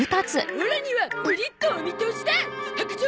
オラにはプリッとお見通しだ！白状しろ！